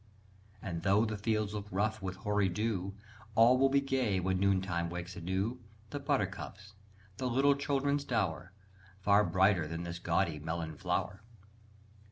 And though the fields look rough with hoary dew, All will be gay when noontide wakes anew The buttercups, the little children's dower, Far brighter than this gaudy melon flower!